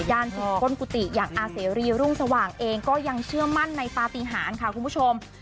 สุดก้นกุฏิอย่างอาเสรีรุ่งสว่างเองก็ยังเชื่อมั่นในปฏิหารค่ะคุณผู้ชม